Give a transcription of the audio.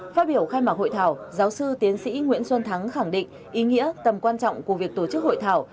phát biểu khai mạc hội thảo giáo sư tiến sĩ nguyễn xuân thắng khẳng định ý nghĩa tầm quan trọng của việc tổ chức hội thảo